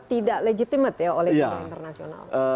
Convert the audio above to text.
tidak legitimate oleh orang internasional